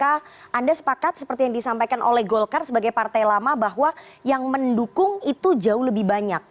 anda sepakat seperti yang disampaikan oleh golkar sebagai partai lama bahwa yang mendukung itu jauh lebih banyak